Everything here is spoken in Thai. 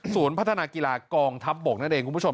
พัฒนากีฬากองทัพบกนั่นเองคุณผู้ชม